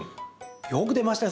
よく出ましたね。